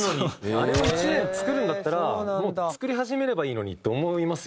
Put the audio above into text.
あれを１年作るんだったらもう作り始めればいいのにって思いますよね。